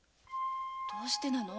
どうしてなの？